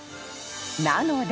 ［なので］